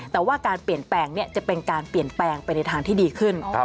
แต่ว่าการเปลี่ยนแปลงจะเป็นการเปลี่ยนแปลงไปในทางที่ดีขึ้น